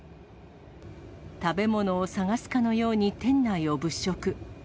食べ物を探すかのように店内を物色。